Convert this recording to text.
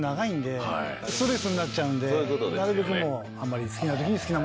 ストレスになっちゃうんでなるべくもう。